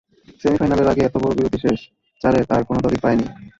সেমিফাইনালের আগে এত বড় বিরতি শেষ চারের আর কোনো দলই পায়নি।